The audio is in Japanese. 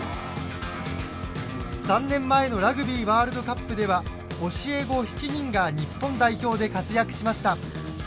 ３年前のラグビーワールドカップでは教え子７人が日本代表で活躍しました。